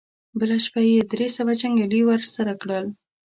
بله شپه يې درې سوه جنګيالي ور سره کړل.